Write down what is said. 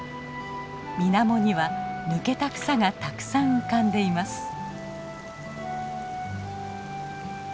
みなもには抜けた草がたくさん浮かんでいます。